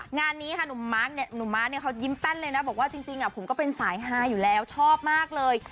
งานนี้หนุ่มมาสยิ้มแป้นเลยนะบอกว่าจริงผมก็เป็นสายห้าอยู่แล้วชอบมากเลย